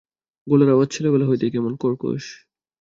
গলার আওয়াজ ছেলেবেলা হইতেই কেমন কর্কশ।